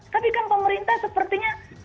tapi kan pemerintah sepertinya